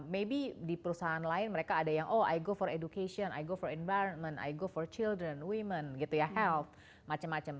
baby di perusahaan lain mereka ada yang oh i go for education i go for environment i go for children women gitu ya health macam macam